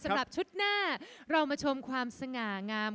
สำหรับชุดหน้าเรามาชมความสง่างาม